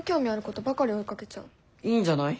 いいんじゃない？